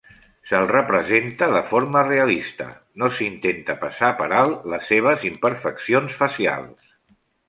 Se'l representa de forma realista; no s'intenta passar per alt les seves imperfeccions facials.